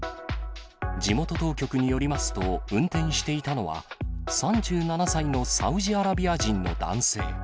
地元当局によりますと、運転していたのは、３７歳のサウジアラビア人の男性。